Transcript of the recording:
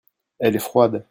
elle est froide.